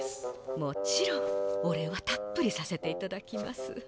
もちろんお礼はたっぷりさせていただきます。